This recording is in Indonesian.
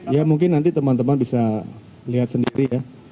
ya mungkin nanti teman teman bisa lihat sendiri ya